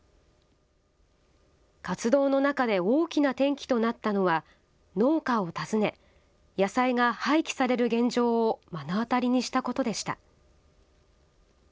活動の中で大きな転機となったのは、農家を訪ね野菜が廃棄される現状を目の当たりにしたことでした。